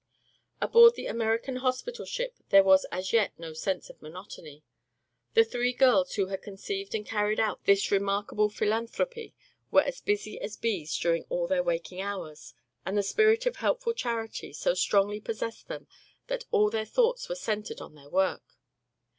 Aboard the American hospital ship there was as yet no sense of monotony. The three girls who had conceived and carried out this remarkable philanthropy were as busy as bees during all their waking hours and the spirit of helpful charity so strongly possessed them that all their thoughts were centered on their work.